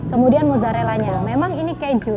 kemudian mozzarellanya memang ini keju